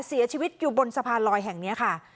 เสียชีวิตอยู่บนสะพานลอยแห่งนี้ค่ะ